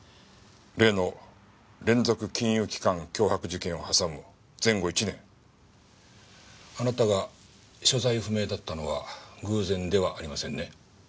例の連続金融機関脅迫事件を挟む前後１年あなたが所在不明だったのは偶然ではありませんね？